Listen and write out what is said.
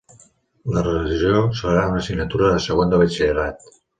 La religió serà una assignatura a segon de Batxillerat